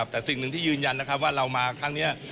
แต่สิ่งหนึ่งที่ยืนยันนะครับว่าเรามาครั้งนี้